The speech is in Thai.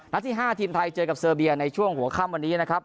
ที่๕ทีมไทยเจอกับเซอร์เบียในช่วงหัวค่ำวันนี้นะครับ